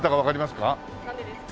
なんでですか？